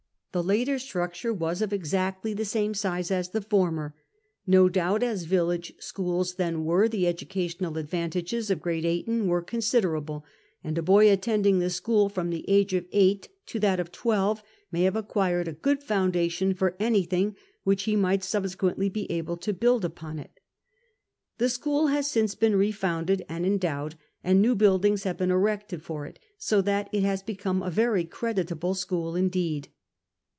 The later structure was of exactly the same size as the former. No duulit, as village schools then were, the educational advantages of Great Ayton were considerable, and a boy attending the school from the age of eight to that of twelve may have acquired a good foundation for anything which he might subsequently be able to bu^d iq)on it. The school has since been refounded and endowed and new buildings have been erected for it, so* that it has become a very creditable school indeed.